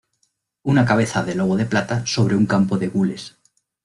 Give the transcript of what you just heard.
Una cabeza de lobo de plata sobre un campo de gules.